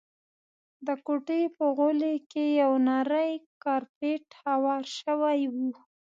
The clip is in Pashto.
د کوټې په غولي کي یو نری کارپېټ هوار شوی وو.